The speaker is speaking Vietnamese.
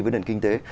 với nền kinh tế